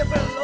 udah gak usah